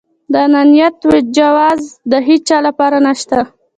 د انانيت جواز د هيچا لپاره نشته.